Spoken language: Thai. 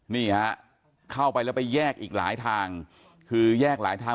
นี่ฮะเข้าไปแล้วไปแยกอีกหลายทางคือแยกหลายทาง